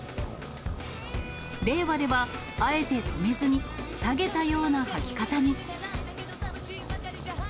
令和では、あえて留めずに、下げたようなはき方に。